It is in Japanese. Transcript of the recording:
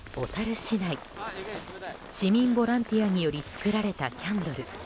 市民ボランティアにより作られたキャンドル。